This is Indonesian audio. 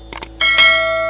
bunga mawar merah